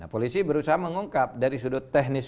polisi berusaha mengungkap dari sudut teknis